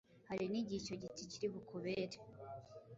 Hari n’igihe icyo giti kiri bukubere